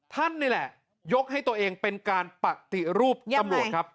ท่านนี่แหละยกให้ตัวเองเป็นการปฏิรูปตำรวจครับ